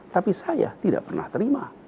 tapi saya tidak pernah terima